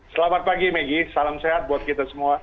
selamat pagi maggie salam sehat buat kita semua